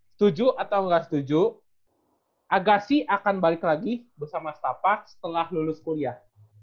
setuju atau nggak setuju agasi akan balik lagi bersama setapak setelah lulus kuliah